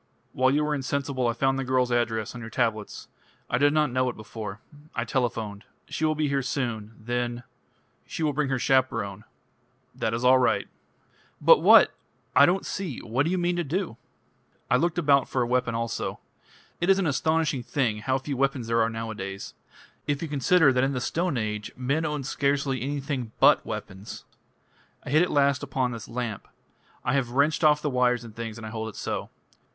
"While you were insensible I found the girl's address on your tablets. I did not know it before. I telephoned. She will be here soon. Then " "She will bring her chaperone." "That is all right." "But what ? I don't see. What do you mean to do?" "I looked about for a weapon also. It is an astonishing thing how few weapons there are nowadays. If you consider that in the Stone Age men owned scarcely anything but weapons. I hit at last upon this lamp. I have wrenched off the wires and things, and I hold it so."